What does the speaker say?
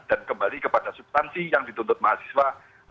dan kembali kepada subtansi yang dituntut mahasiswa